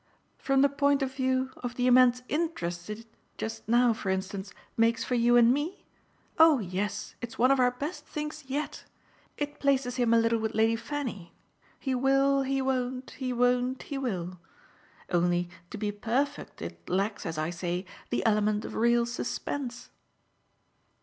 "From the point of view of the immense interest it just now, for instance makes for you and me? Oh yes, it's one of our best things yet. It places him a little with Lady Fanny 'He will, he won't; he won't, he will!' Only, to be perfect, it lacks, as I say, the element of real suspense."